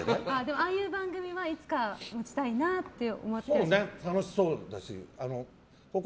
ああいう番組はいつか持ちたいなと思ってるんですか？